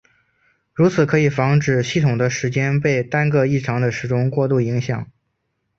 如此可以防止系统的时间被单个异常的时钟过度影响。